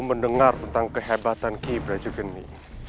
mendengar tentang kehebatan ki brajegeni